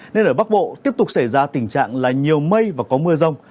nên ở bắc bộ tiếp tục xảy ra tình trạng là nhiều mây và có mưa rông